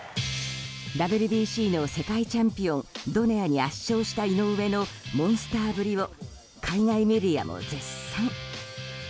ＷＢＣの世界チャンピオンドネアに圧勝した井上のモンスターぶりを海外メディアも絶賛。